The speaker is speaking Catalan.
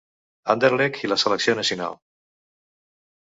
Anderlecht i la selecció nacional